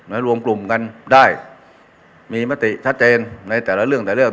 รวมกลุ่มกันได้มีมติชัดเจนในแต่ละเรื่องแต่ละเรื่อง